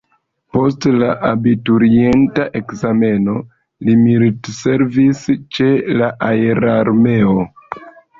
Post la abiturienta ekzameno li militservis ĉe la aerarmeo.